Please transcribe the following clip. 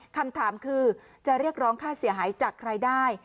คำถามคือจะเรียกร้องค่าเสียหายจากใครได้